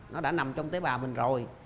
nó đã nằm trong tế bào mình rồi